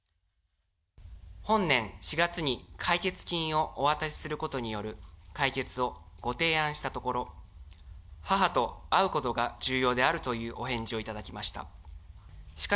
本年４月に、解決金をお渡しすることによる解決をご提案したところ、母と会うことが重要であるというお返事を頂きました。